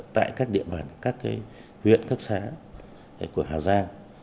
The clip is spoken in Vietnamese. tại các địa bàn các huyện các xã của hà giang